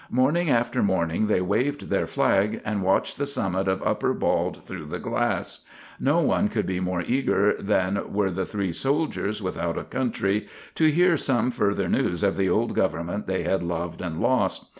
Morning after morning they waved their flag, and watched the summit of Upper Bald through the glass. No one could be more eager than were the three soldiers without a country to hear some further news of the old government they had loved and lost.